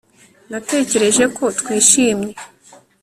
Natekereje ko twishimye